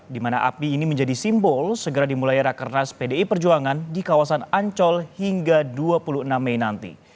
di mana api ini menjadi simbol segera dimulai rakernas pdi perjuangan di kawasan ancol hingga dua puluh enam mei nanti